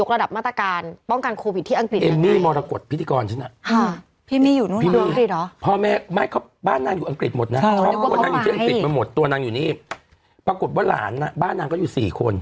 เขาก็แบบกลด่ากันทั้งประเทศ